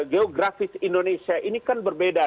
geografis indonesia ini kan berbeda